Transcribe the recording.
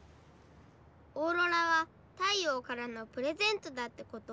オーロラは太陽からのプレゼントだってこと。